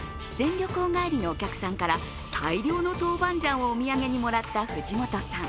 旅行帰りのお客さんから大量のトウバンジャンをお土産にもらった藤本さん。